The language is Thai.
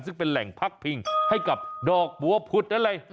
ซึ่งเป็นแหล่งพักพิงให้กับดอกบัวผุดอะไร